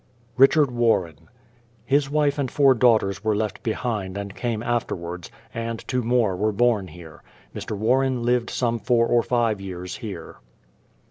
RICHARD WARREN. His wife and four daughters were left behind and came afterwards, and two more were born here. Mr. Warren lived some four or five years here.